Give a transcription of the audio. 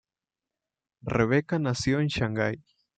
Rebecca nació en Shanghai.